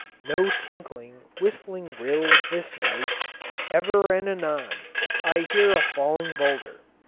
No tinkling, whistling rills this night. Ever and anon I hear a falling boulder.